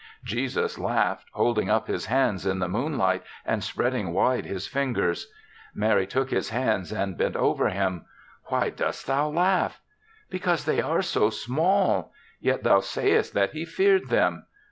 Jesus laughed, holding up his hands in the moonlight and spread ing wide his fingers. Mary took his hands and bent over him. "Why dost thou laugh?" "Because they are so small; yet thou sayest that he feared them.